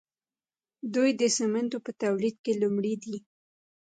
دوی د سیمنټو په تولید کې لومړی دي.